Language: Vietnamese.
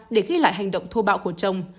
để ghi lại hành động thô bạo của chồng